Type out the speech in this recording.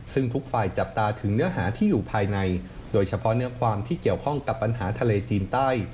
ซึ่งทุกฝ่ายจับตาถึงเนื้อหาที่อยู่ภายในโดยเฉพาะเนื้อความที่เกี่ยวข้องกับปัญหาทะเลจีนใต้